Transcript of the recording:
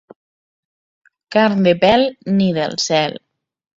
Carn de pèl, ni del cel.